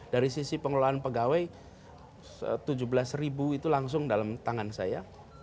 dari sisi pengelolaan pegawai tujuh belas ribu itu langsung dalam tangan saya